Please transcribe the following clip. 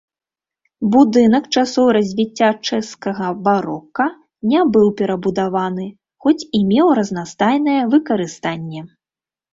Будынак часоў развіцця чэшскага барока не быў перабудаваны, хоць і меў разнастайнае выкарыстанне.